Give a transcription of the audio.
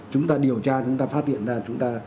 chúng ta điều tra chúng ta phát hiện ra chúng ta